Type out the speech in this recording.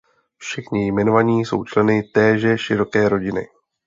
Všichni jmenovaní jsou členy téže široké rodiny.